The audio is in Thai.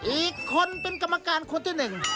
อีกคนเป็นกรรมการคนที่หนึ่ง